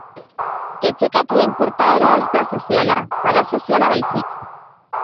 Etxe-katuen portaera ez da soziala, parasoziala baizik.